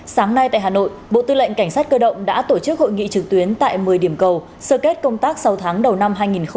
sáng nay tại hà nội bộ tư lệnh cảnh sát cơ động đã tổ chức hội nghị trực tuyến tại một mươi điểm cầu sơ kết công tác sáu tháng đầu năm hai nghìn hai mươi